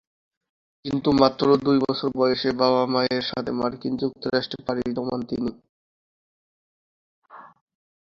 কিন্তু মাত্র দুই বছর বয়সে বাবা-মায়ের সাথে মার্কিন যুক্তরাষ্ট্রে পাড়ি জমান তিনি।